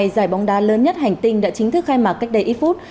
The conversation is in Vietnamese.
giải bóng đá lớn nhất hành tinh đã chính thức khai mạc cách đây ít phút